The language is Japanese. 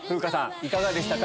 いかがでしたか？